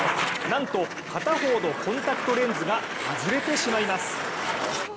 なんと片方のコンタクトレンズが外れてしまいます。